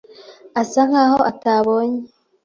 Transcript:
asa nkaho atabonye.